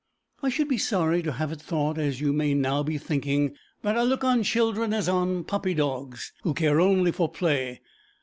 I should be sorry to have it thought, as you may now be thinking, that I look on children as on puppy dogs, who care only for play.